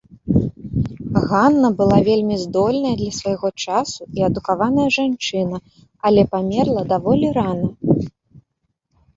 Ганна была вельмі здольная, для свайго часу і адукаваная жанчына, але памерла даволі рана.